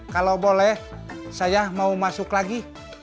kalau boleh saya mau masuk lagi